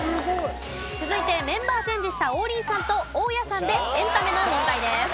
続いてメンバーチェンジした王林さんと大家さんでエンタメの問題です。